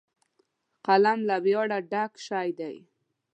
قلم له ویاړه ډک شی دی